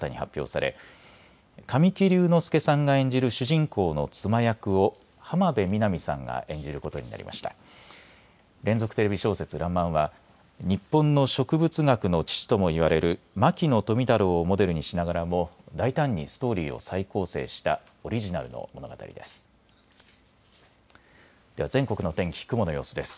らんまんは日本の植物学の父とも言われる牧野富太郎をモデルにしながらも大胆にストーリーを再構成したオリジナルの物語です。